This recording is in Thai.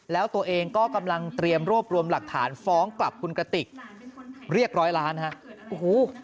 แล้วตัวเองก็กำลังเตรียมรวบรวมหลักฐานฟ้องกลับคุณกระติกเรียกร้อยล้านฮะโอ้โห